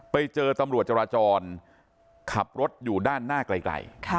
ไปเจอตำรวจจราจรขับรถอยู่ด้านหน้าไกล